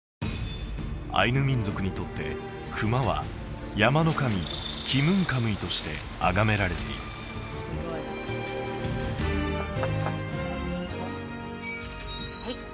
アイヌ民族にとって熊は山の神キムンカムイとしてあがめられている失礼します